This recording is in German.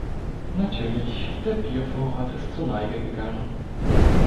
Natürlich, der Biervorrat ist zur Neige gegangen.